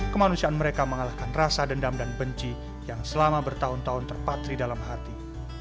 kemanusiaan mereka mengalahkan rasa dendam dan benci yang selama bertahun tahun terpatri dalam hati